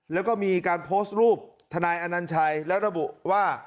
แล้วก็มีการโพสต์รูปทนายอนัญชัยแล้วระบุว่า